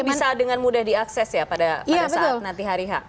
bisa dengan mudah diakses ya pada saat nanti hari h